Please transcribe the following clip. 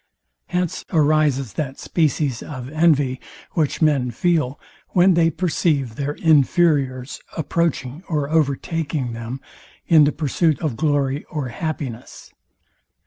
Hence arises that species of envy, which men feel, when they perceive their inferiors approaching or overtaking them in the pursuits of glory or happiness.